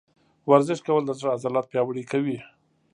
ورزش کول د زړه عضلات پیاوړي کوي.